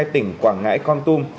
hai tỉnh quảng ngãi con tum